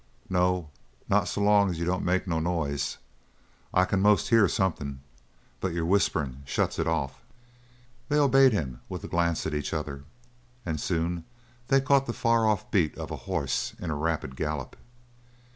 "No, not so long as you don't make no noise. I can 'most hear something, but your whisperin' shuts it off." They obeyed him, with a glance at each other. And soon they caught the far off beat of a horse in a rapid gallop.